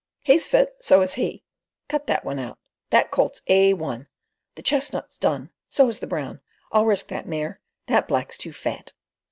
"He's fit. So is he. Cut that one out. That colt's A1. The chestnut's done. So is the brown. I'll risk that mare. That black's too fat."